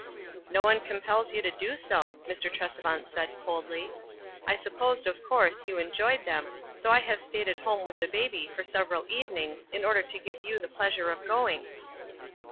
"No one compels you to do so," Mr. Trese vant said, coldly. "I supposed, of course, you enjoyed them, so I have stayed at home with the baby for several evenings in order to give you the pleasure of going."